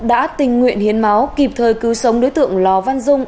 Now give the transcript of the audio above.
đã tình nguyện hiến máu kịp thời cứu sống đối tượng lò văn dung